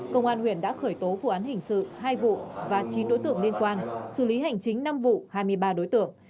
công an huyện đã khởi tố vụ án hình sự hai vụ và chín đối tượng liên quan xử lý hành chính năm vụ hai mươi ba đối tượng